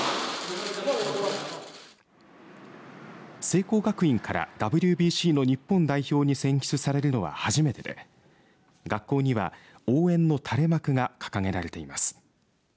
聖光学院からＷＢＣの日本代表に選出されるのは初めてで学校には応援の垂れ幕が掲げられています。